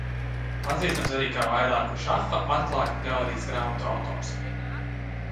Pazīstams arī kā vairāku šaha atklātņu teorijas grāmatu autors.